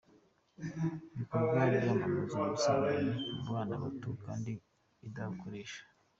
bikorwa byamamaza ubusambanyi mu bana bato kandi idakoresha.